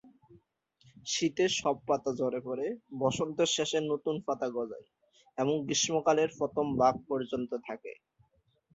শীতে সব পাতা ঝরে পড়ে, বসন্তের শেষে নতুন পাতা গজায় এবং গ্রীষ্মকালের প্রথম ভাগ পর্যন্ত থাকে।।